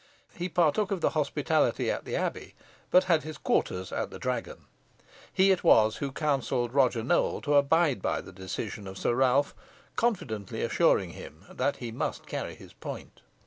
He partook of the hospitality at the Abbey, but had his quarters at the Dragon. He it was who counselled Roger Nowell to abide by the decision of Sir Ralph, confidently assuring him that he must carry his point.